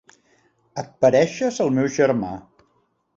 Et pareixes al meu germà.